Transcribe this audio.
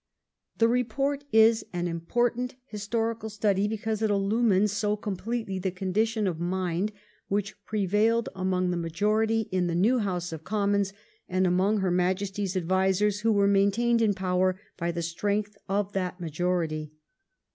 The report is an important historical study because it illumines so completely the condition of mind which prevailed among the majority in the new House of Commons, and among her Majesty's advisers who were maintained in power by the strength of that majority.